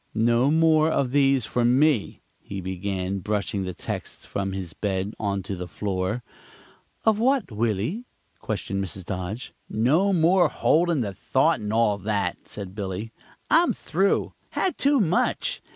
"No more of these for me," he began, brushing the texts from his bed onto the floor. "Of what, Willy?" questioned Mrs. Dodge. "No more holdin' the thought, and all that," said Billy. "I'm through. Had too much.